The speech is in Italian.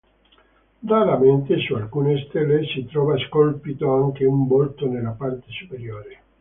Raramente, su alcune stele, si trova scolpito anche un volto nella parte superiore.